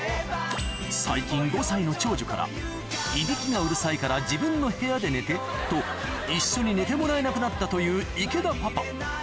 最近５歳の長女から「いびきがうるさいから」と一緒に寝てもらえなくなったという池田パパ